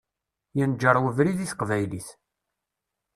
Yenǧer webrid i teqbaylit.